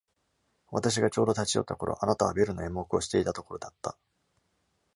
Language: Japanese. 私がちょうど立ち寄った頃、あなたはベルの演目をしていたところだった。